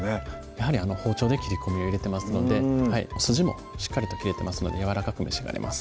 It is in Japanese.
やはり包丁で切り込みを入れてますので筋もしっかりと切れてますのでやわらかく召し上がれます